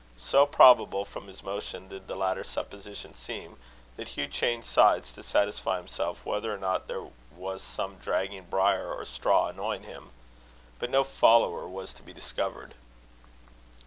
So probable, from his motion, did the latter supposition seem, that Hugh changed sides to satisfy himself whether or not there was some dragging briar or straw annoying him; but no follower was to be discovered.